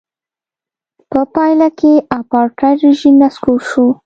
په پایله کې اپارټایډ رژیم نسکور شو.